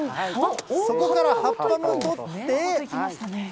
そこから葉っぱも取って。